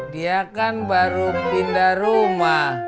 dia kan baru pindah rumah